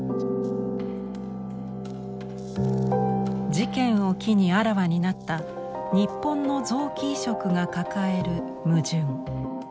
事件を機にあらわになった日本の臓器移植が抱える矛盾。